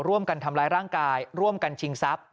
ร่วมกันทำร้ายร่างกายร่วมกันชิงทรัพย